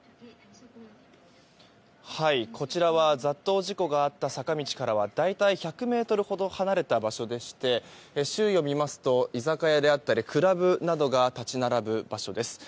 こちらは雑踏事故があった坂道からは大体１００ｍほど離れた場所でして周囲を見ますと居酒屋であったりクラブなどが立ち並ぶ場所です。